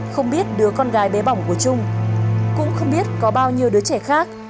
không biết đứa con gái bé bỏng của trung cũng không biết có bao nhiêu đứa trẻ khác